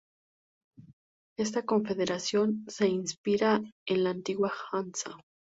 Esta confederación se inspira en la antigua Hansa.